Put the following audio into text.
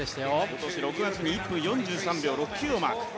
今年６月に１分４３秒６９をマーク。